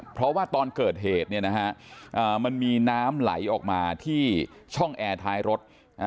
เพราะว่าตอนเกิดเหตุมันมีน้ำไหลออกมาที่ช่องแอร์ท้ายรถ